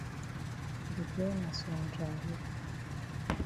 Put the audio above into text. De girl na some dry head.